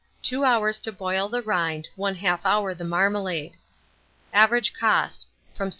2 hours to boil the rind, 1/2 hour the marmalade. Average cost, from 7d.